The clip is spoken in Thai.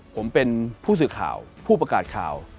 ผมเป็นผู้สื่อข่าวผู้ประกาศข่าว